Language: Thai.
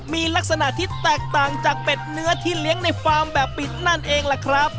มีลักษณะที่แตกต่างจากเป็ดเนื้อที่เลี้ยงในฟาร์มแบบปิดนั่นเองล่ะครับ